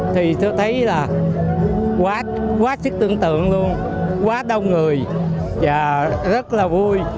thì tôi thấy là quá sức tưởng tượng luôn quá đông người và rất là vui